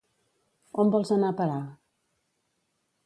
On vols anar a parar?